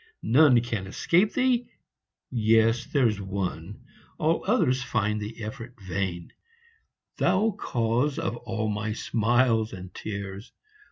None can escape thee yes there s one All others find the effort vain : Thou cause of all my smiles and tears